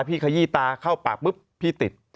ขยี้ตาเข้าปากปุ๊บพี่ติด